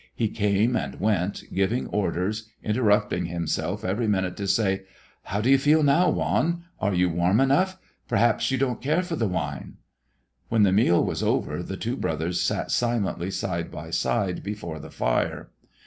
He came and went, giving orders, interrupting himself every minute to say, "How do you feel now, Juan? Are you warm enough? Perhaps you don't care for this wine." When the meal was over, the two brothers sat silently side by side before the fire.